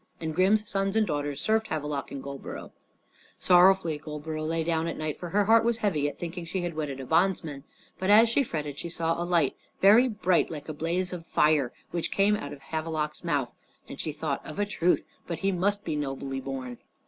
And Grim's sons and daughters served Havelok and Goldborough. Sorrowfully Goldborough lay down at night, for her heart was heavy at thinking she had wedded a bondsman. But as she fretted she saw a light, very bright like a blaze of fire, which came out of Havelok's mouth. And she thought, "Of a truth but he must be nobly born."